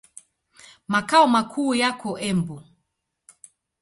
Makao makuu yako Embu.